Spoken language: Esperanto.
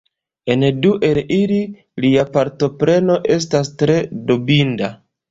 En du el ili, lia partopreno estas tre dubinda.